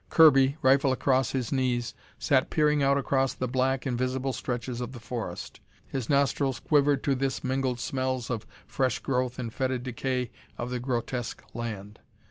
Kirby, rifle across his knees, sat peering out across the black, invisible stretches of the forest. His nostrils quivered to this mingled smells of fresh growth and fetid decay of the grotesque land.